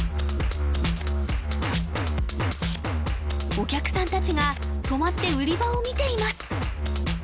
お客さん達が止まって売り場を見ています